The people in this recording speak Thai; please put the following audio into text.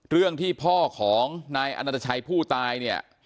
เรื่องที่พ่อของนายอนัตชัยผู้ตายเนี่ย